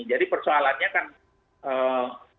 jadi persoalannya kan ketepatan